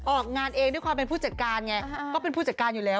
ออกงานเองด้วยความเป็นผู้จัดการไงก็เป็นผู้จัดการอยู่แล้ว